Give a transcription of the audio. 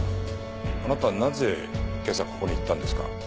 あなたなぜ今朝ここに行ったんですか？